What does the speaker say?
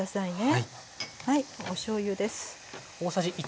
はいおしょうゆです。